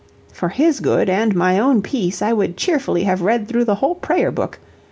For his good, and my own peace, I would cheerfully have read through the whole prayer book.